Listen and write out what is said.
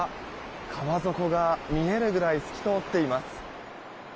川底が見えるぐらい透き通っています。